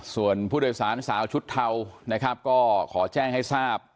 ส่วนผู้โดยสารสาวชุดเทานะครับก็ขอแจ้งให้ทราบ